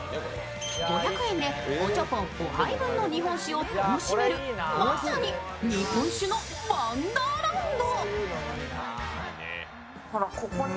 ５００円でおちょこ５杯分の日本酒を楽しめるまさに日本酒のワンダーランド。